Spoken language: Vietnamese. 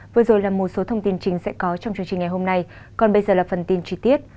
vừa rồi là một số thông tin chính sẽ có trong chương trình ngày hôm nay còn bây giờ là phần tin chi tiết